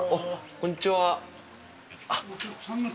こんにちは。